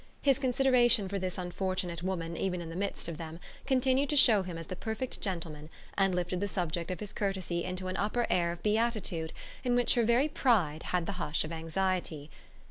His consideration for this unfortunate woman even in the midst of them continued to show him as the perfect gentleman and lifted the subject of his courtesy into an upper air of beatitude in which her very pride had the hush of anxiety.